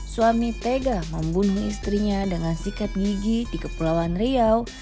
suami tega membunuh istrinya dengan sikat gigi di kepulauan riau